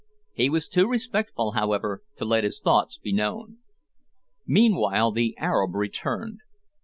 He was too respectful, however, to let his thoughts be known. Meanwhile the Arab returned.